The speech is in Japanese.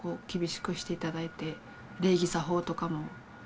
厳しくして頂いて礼儀作法とかも。